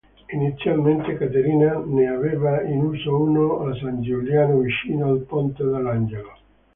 Inizialmente Caterina ne aveva in uso uno a San Giuliano, vicino al Ponte dell’Angelo.